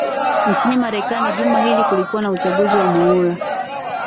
nchini marekani juma hili kulikuwa na uchaguzi wa muhula